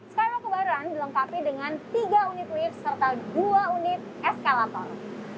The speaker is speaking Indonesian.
skywal kebaran dilengkapi dengan tiga unit lift serta dua unit eskalator